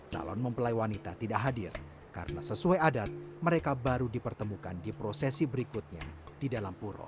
calon mempelai wanita tidak hadir karena sesuai adat mereka baru dipertemukan di prosesi berikutnya di dalam puro